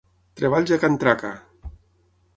Treballs a can Traca!